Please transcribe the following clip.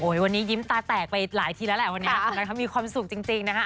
วันนี้ยิ้มตาแตกไปหลายทีแล้วแหละวันนี้มีความสุขจริงนะคะ